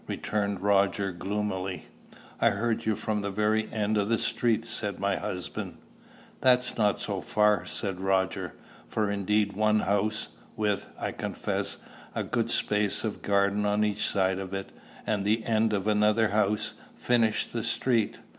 returned Roger gloomily. "I heard you from the very end of the street," said my husband. "That's not so far," said Roger; for indeed one house, with, I confess, a good space of garden on each side of it, and the end of another house, finished the street.